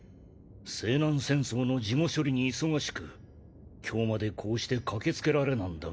西南戦争の事後処理に忙しく今日までこうして駆け付けられなんだが。